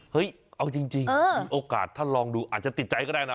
เอาจริงมีโอกาสถ้าลองดูอาจจะติดใจก็ได้นะ